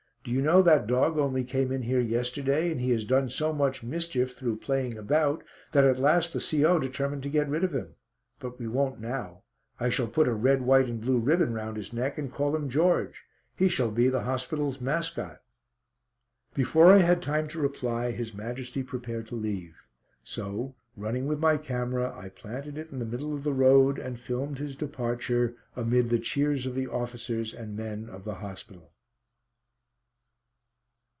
Do you know that dog only came in here yesterday, and he has done so much mischief through playing about, that at last the C.O. determined to get rid of him. But we won't now. I shall put a red, white, and blue ribbon round his neck and call him George. He shall be the hospital's mascot." Before I had time to reply His Majesty prepared to leave, so running with my camera I planted it in the middle of the road and filmed his departure, amid the cheers of the officers and men of the hospital.